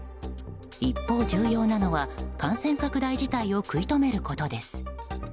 一方、重要なのは感染拡大自体を食い止めることです。